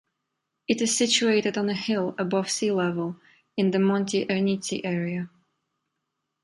It is situated on a hill above sea level, in the Monti Ernici area.